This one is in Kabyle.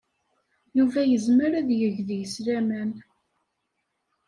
Yuba yezmer ad yeg deg-s laman.